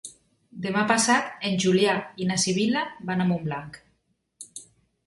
Demà passat en Julià i na Sibil·la van a Montblanc.